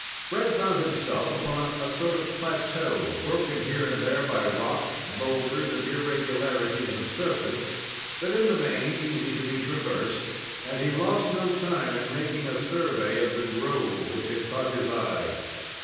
Fred found himself upon a sort of plateau, broken here and there by rocks, boulders, and irregularities of surface, but in the main easy to be traversed, and he lost no time in making a survey of the grove which had caught his eye.